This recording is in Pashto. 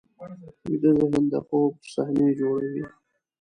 ویده ذهن د خوب صحنې جوړوي